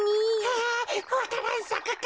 あわか蘭さくか？